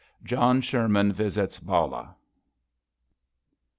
JOHN SHERMAN REVISITS BALLAH.